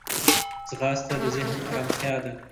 ځغاسته د ذهن ارمتیا ده